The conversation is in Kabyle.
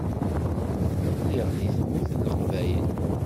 Lliɣ deg Tmurt n Leqbayel.